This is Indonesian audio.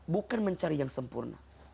bukan mencari yang sempurna